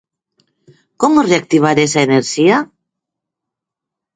Como reactivar esa enerxía?